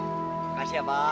terima kasih abang